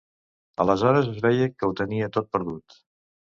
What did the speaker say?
Aleshores es veia que ho tenia tot perdut.